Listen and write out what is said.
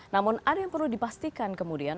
namun ada yang perlu dipastikan kemudian